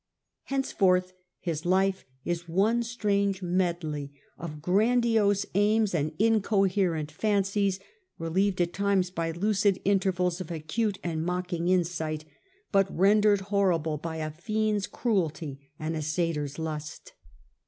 Henceforth his life is one strange medley of grandiose aims and incoherent fancies, relieved at times by lucid intervals of acute and mocking insight, but rendered horrible by a fiend's cruelty and a satyr's lust.